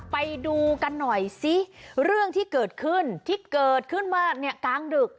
ไปดูกันหน่อยซิเรื่องที่เกิดขึ้นที่เกิดขึ้นมาเนี่ยกลางดึก